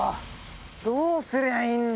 どうすりゃいいんだ？